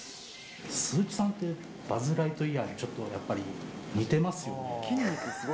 鈴木さんって、バズ・ライトイヤーにちょっとやっぱり、似てますよね？